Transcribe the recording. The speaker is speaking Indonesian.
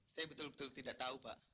saya betul betul tidak tahu pak